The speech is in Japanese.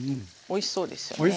おいしそうですよね。